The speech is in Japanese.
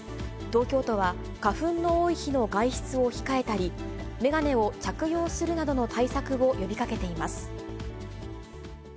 東京都は、花粉の多い日の外出を控えたり、眼鏡を着用するなどの対策を呼びかけています。